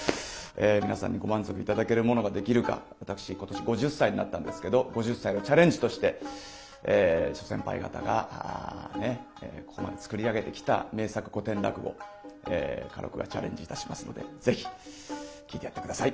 皆さんにご満足頂けるものができるか私今年５０歳になったんですけど５０歳のチャレンジとして諸先輩方がここまで作り上げてきた名作古典落語花緑がチャレンジいたしますのでぜひ聴いてやって下さい。